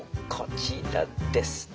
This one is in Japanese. こちらです。